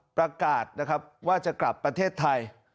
ประกาศนะครับว่าจะกลับประเทศไทย